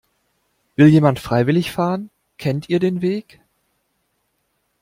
Will jemand freiwillig fahren? Kennt ihr den Weg?